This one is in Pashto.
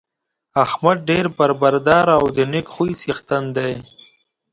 احمد ډېر بردباره او د نېک خوی څېښتن دی.